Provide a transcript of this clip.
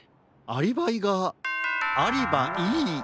アリバイがありばいい。